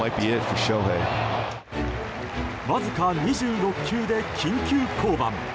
わずか２６球で緊急降板。